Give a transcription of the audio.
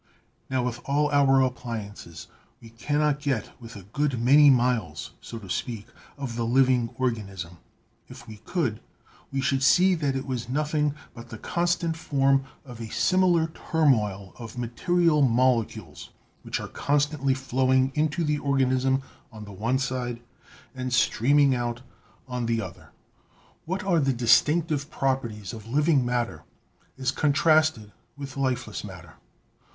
"Now, with all our appliances, we cannot get with a good many miles, so to speak, of the living organism. If we could, we should see that it was nothing but the constant form of a similar turmoil of material molecules, which are constantly flowing into the organism on the one side and streaming out on the other." What are the distinctive properties of living matter as contrasted with lifeless matter?